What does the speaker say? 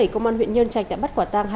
công an huyện nhân trạch đã bắt quả tang